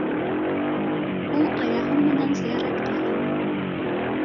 Уң аяғым менән зыяратҡа индем.